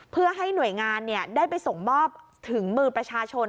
เพื่อให้หน่วยงานได้ไปส่งมอบถึงมือประชาชน